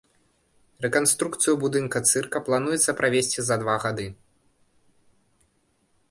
Рэканструкцыю будынка цырка плануецца правесці за два гады.